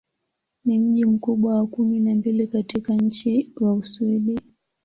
Ni mji mkubwa wa kumi na mbili katika nchi wa Uswidi.